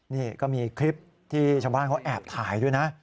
นี่ก็มีคลิปที่ชาวบ้านเขาแอบถ่ายด้วยนะ